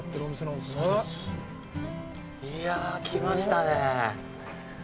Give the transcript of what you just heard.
いやぁ、来ましたねぇ！